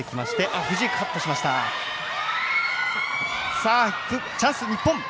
さあ、チャンス、日本。